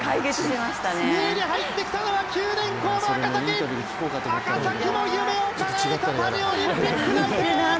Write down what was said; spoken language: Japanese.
２位に入ってきたのは九電工の赤崎、赤崎も夢をかなえた、パリオリンピック内定！